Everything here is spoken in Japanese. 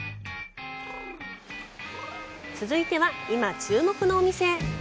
続いては、今、注目のお店へ！